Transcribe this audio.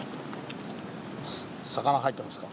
魚入ってますか？